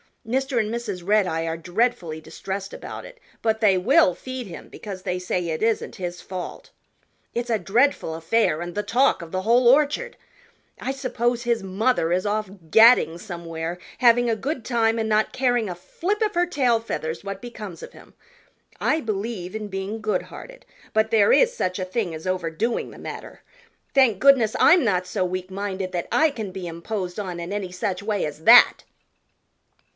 Mr. and Mrs. Redeye are dreadfully distressed about it, but they will feed him because they say it isn't his fault. It's a dreadful affair and the talk of the whole Orchard. I suppose his mother is off gadding somewhere, having a good time and not caring a flip of her tail feathers what becomes of him. I believe in being goodhearted, but there is such a thing as overdoing the matter. Thank goodness I'm not so weak minded that I can be imposed on in any such way as that."